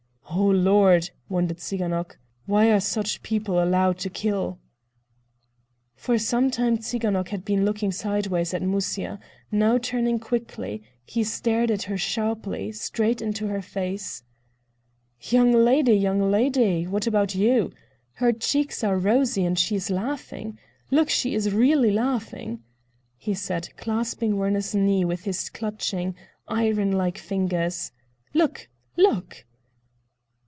"O Lord!" wondered Tsiganok. "Why are such people allowed to kill?" For some time Tsiganok had been looking sideways at Musya; now turning quickly, he stared at her sharply, straight into her face. "Young lady, young lady! What about you? Her cheeks are rosy and she is laughing. Look, she is really laughing," he said, clasping Werner's knee with his clutching, iron like fingers. "Look, look!"